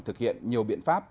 thực hiện nhiều biện pháp